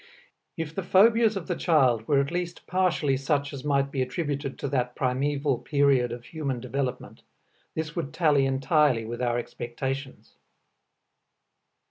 If the phobias of the child were at least partially such as might be attributed to that primeval period of human development, this would tally entirely with our expectations.